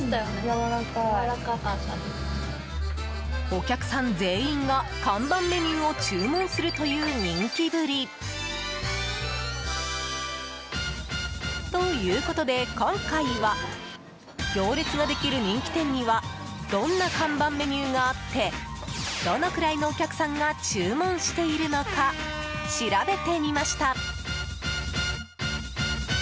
お客さん全員が看板メニューを注文するという人気ぶり。ということで、今回は行列ができる人気店にはどんな看板メニューがあってどのくらいのお客さんが注文しているのか調べてみました。